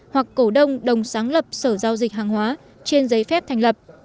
hoặc cổ đông đồng sáng lập sở giao dịch hàng hóa trên giấy phép thành lập